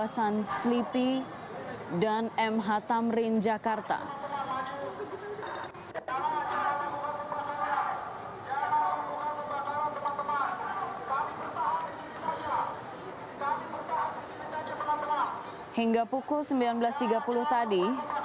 sejak pukul sembilan belas tadi